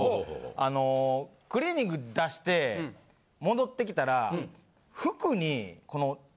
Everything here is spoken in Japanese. あのクリーニング出して戻ってきたら服に。